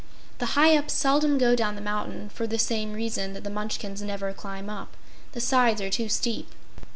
The Hyups seldom go down the mountain, for the same reason that the Munchkins never climb up: the sides are too steep.